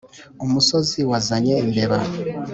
umusozi wazanye imbeba.